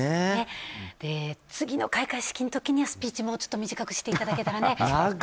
次の開会式の時にはスピーチもうちょっと短くしていただけたらね。